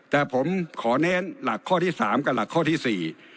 แต่ผมขอเน้นหลักข้อที่สามกับหลักข้อที่สี่